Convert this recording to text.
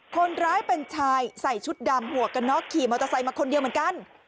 คนร้ายเป็นชายใส่ชุดดำหวกกันน็อกขี่มอเตอร์ไซค์มาคนเดียวเหมือนกัน